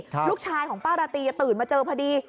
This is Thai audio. ลูกชายของป้าราตรีตื่นมาเจอพอดี